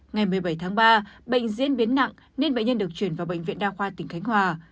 ngày một mươi bảy tháng ba bệnh diễn biến nặng nên bệnh nhân được chuyển vào bệnh viện đa khoa tỉnh khánh hòa